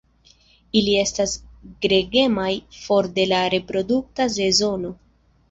Ili estas gregemaj for de la reprodukta sezono.